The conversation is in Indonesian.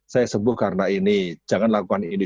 saya sembuh karena ini jangan lakukan ini